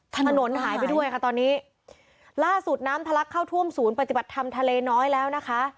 ถนนหายไปด้วยค่ะตอนนี้ล่าสุดน้ำทะลักเข้าท่วมศูนย์ปฏิบัติธรรมทะเลน้อยแล้วนะคะ